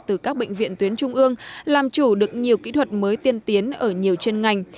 từ các bệnh viện tuyến trung ương làm chủ được nhiều kỹ thuật mới tiên tiến ở nhiều chân ngành